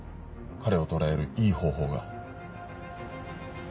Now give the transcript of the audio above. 彼を捕らえるいい方法が。